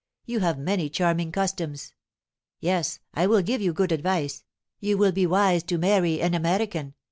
You have many charming customs. Yes, I will give you good advice: you will be wise to marry an American.